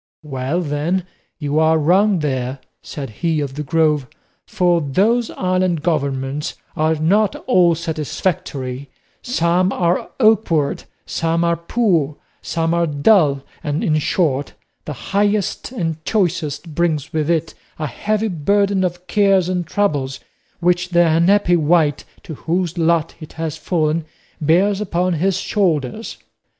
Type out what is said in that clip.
"Well, then, you are wrong there," said he of the Grove; "for those island governments are not all satisfactory; some are awkward, some are poor, some are dull, and, in short, the highest and choicest brings with it a heavy burden of cares and troubles which the unhappy wight to whose lot it has fallen bears upon his shoulders.